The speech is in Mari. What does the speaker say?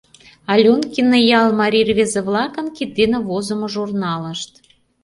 Алёнкино ял марий рвезе-влакын кид дене возымо журналышт